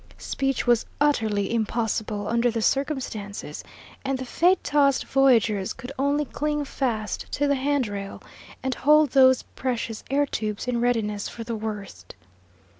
Speech was utterly impossible under the circumstances, and the fate tossed voyagers could only cling fast to the hand rail, and hold those precious air tubes in readiness for the worst.